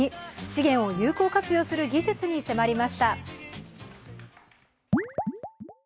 資源を有効活用する技術に迫りました。